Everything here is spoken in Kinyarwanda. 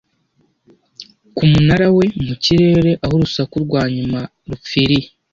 ku munara we mu kirere aho urusaku rwa nyuma rupfiriye